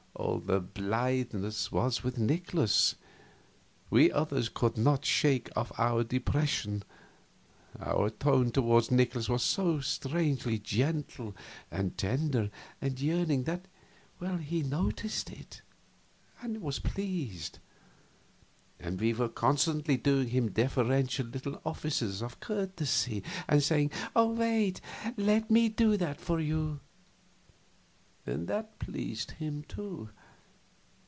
All the blitheness was with Nikolaus; we others could not shake off our depression. Our tone toward Nikolaus was so strangely gentle and tender and yearning that he noticed it, and was pleased; and we were constantly doing him deferential little offices of courtesy, and saying, "Wait, let me do that for you," and that pleased him, too.